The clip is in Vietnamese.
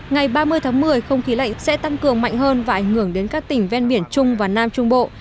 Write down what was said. ngày ba mươi tháng một mươi không khí lạnh sẽ tăng cường mạnh hơn và ảnh hưởng đến các tỉnh ven biển trung và nam trung bộ